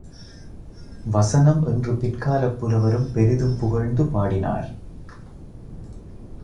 வசனம் என்று பிற்காலப் புலவரும் பெரிதும் புகழ்ந்து பாடினார்.